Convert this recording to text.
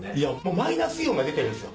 マイナスイオンが出てるんですよ。